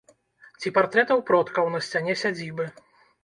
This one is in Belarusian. Ці партрэтаў продкаў на сцяне сядзібы.